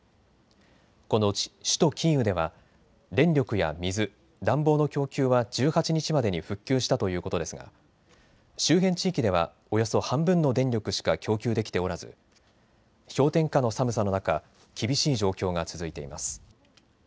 このうち首都キーウでは電力や水、暖房の供給は１８日までに復旧したということですが周辺地域ではおよそ半分の電力しか供給できておらず氷点下の寒さの中、厳しい状況が続いています。